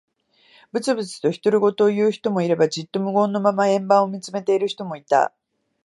ぶつぶつと独り言を言う人もいれば、じっと無言のまま円盤を見つめている人もいた。